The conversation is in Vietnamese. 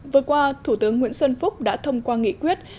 vừa qua thủ tướng nguyễn xuân phúc đã thông qua nghị quyết